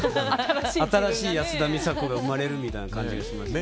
新しい安田美沙子が生まれるみたいな感じがしました。